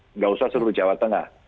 tidak usah seluruh jawa tengah